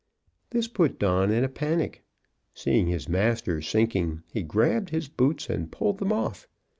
This put Don in a panic. Seeing his master sinking, he grabbed his boots and pulled them off.